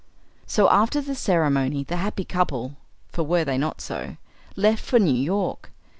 So after the ceremony the happy couple for were they not so? left for New York.